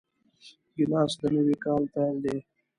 ګیلاس د نوي کاله پیل دی.